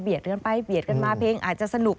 เบียดเรือนไปเบียดกันมาเพลงอาจจะสนุก